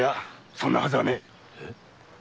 そんなはずはねえ。